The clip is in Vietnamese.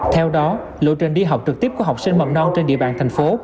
theo đó lộ trình đi học trực tiếp của học sinh mầm non trên địa bàn thành phố